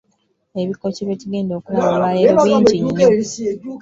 Ebikoco bye tugenda okulaba olwaleero bingi nnyo.